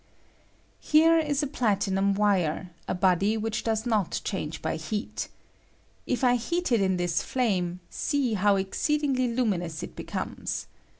I Here ia a platiuuni wire, a body which does not change by heat If I heat it in this flame, . Bee how exceedingly luminous it becomes.